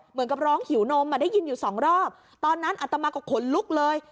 เหมือนกับร้องหิวนมได้ยินอยู่สองรอบตอนนั้นอัตมาก็ขนลุกเลย